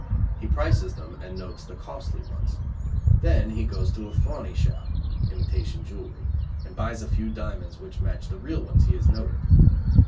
He prices them and notes the costly ones. Then he goes to a fauny shop (imitation jewelry) and buys a few diamonds which match the real ones he has noted.